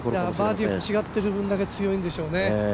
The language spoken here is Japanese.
バーディー、違っている分だけ違うんでしょうね。